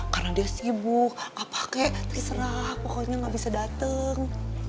karena dia sibuk gak pake terserah pokoknya gak bisa datang